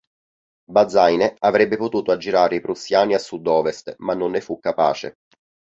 Bazaine avrebbe potuto aggirare i prussiani a sud-ovest ma non ne fu capace.